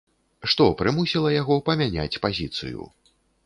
Што прымусіла яго памяняць пазіцыю?